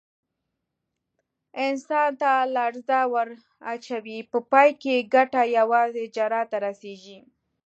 انسان ته لړزه ور اچوي، په پای کې یې ګټه یوازې جراح ته رسېږي.